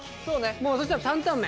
もうそしたら担々麺。